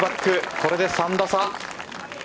これで３打差。